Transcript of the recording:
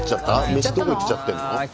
メシどこ行っちゃってんの？